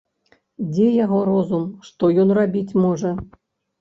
Дзе яго розум, што ён рабіць можа?